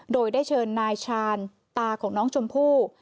โดยได้เชิญนายชาญตาของน้องชมพู่